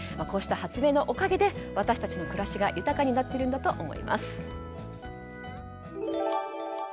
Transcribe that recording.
こうした発明のおかげで私たちの暮らしが豊かになっているんだと思います。